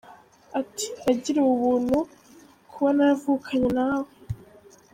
Ati “Nagiriwe ubuntu kuba naravukanye na we.